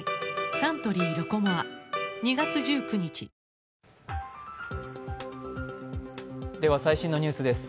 サントリー「ロコモア」最新のニュースです。